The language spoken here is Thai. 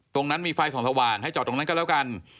ตรงนั้นมีไฟส่องสว่างให้จอดตรงนั้นก็แล้วกัน